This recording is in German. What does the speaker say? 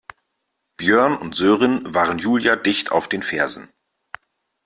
Björn und Sören waren Julia dicht auf den Fersen.